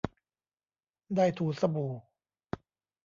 ได้ถูสบู่